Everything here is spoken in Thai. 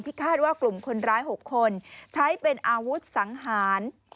คาดว่ากลุ่มคนร้าย๖คนใช้เป็นอาวุธสังหาร